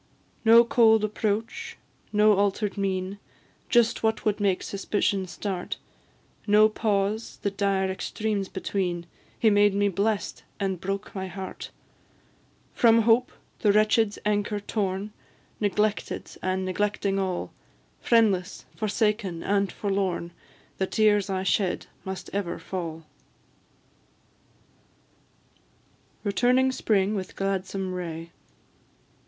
No cold approach, no alter'd mien, Just what would make suspicion start; No pause the dire extremes between He made me blest, and broke my heart: From hope, the wretched's anchor, torn, Neglected and neglecting all; Friendless, forsaken, and forlorn, The tears I shed must ever fall. The four first lines of the last stanza are by Burns. RETURNING SPRING, WITH GLADSOME RAY.